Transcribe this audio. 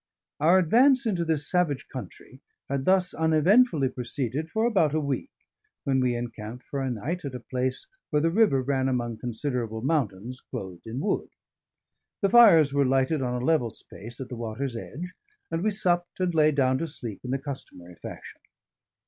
Our advance into this savage country had thus uneventfully proceeded for about a week, when we encamped for a night at a place where the river ran among considerable mountains clothed in wood. The fires were lighted on a level space at the water's edge; and we supped and lay down to sleep in the customary fashion.